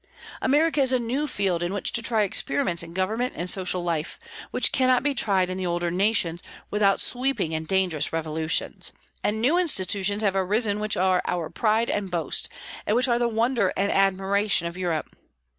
America is a new field in which to try experiments in government and social life, which cannot be tried in the older nations without sweeping and dangerous revolutions; and new institutions have arisen which are our pride and boast, and which are the wonder and admiration of Europe.